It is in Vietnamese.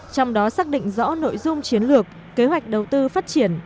trong đó xác định rõ nội dung chiến lược kế hoạch đầu tư phát triển